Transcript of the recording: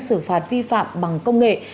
xử phạt vi phạm bằng công nghệ